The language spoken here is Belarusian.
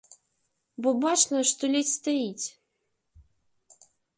Бо бачна, што ледзь стаіць.